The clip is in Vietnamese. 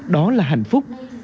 đó là hạnh phúc